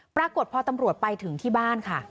ปรากฏพอตำรวจไปถึงที่บ้านค่ะ